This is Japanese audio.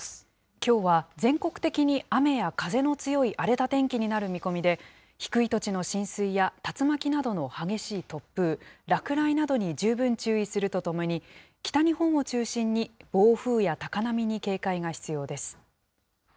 きょうは全国的に雨や風の強い荒れた天気になる見込みで、低い土地の浸水や竜巻などの激しい突風、落雷などに十分注意するとともに、北日本を中心に暴風や高波に警戒が必要です。